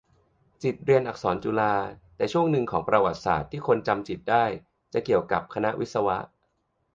จิตรเรียนอักษรจุฬา แต่ช่วงหนึ่งของประวัติศาสตร์ที่คนจำจิตรได้ จะเกี่ยวกับคณะวิศวะ